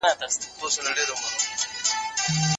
اسلامي شریعت د ژوند ټولو اړخونو ته شامل دی.